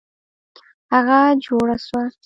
هغه جوړه سوه.